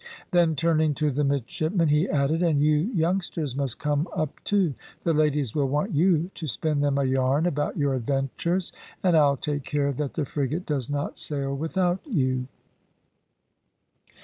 Then turning to the midshipmen, he added, "And you youngsters must come up too; the ladies will want you to spin them a yarn about your adventures, and I'll take care that the frigate does not sail without you."